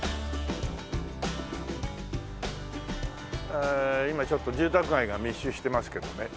ええ今ちょっと住宅街が密集してますけどね。